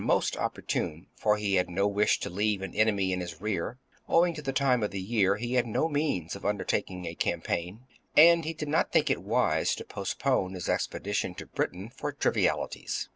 most opportune, for he had no wish to leave an enemy in his rear ; owing to the time of year, he had no means of undertaking a campaign ; and he did not think it wise to postpone his expedi tion to Britain for triviaUties.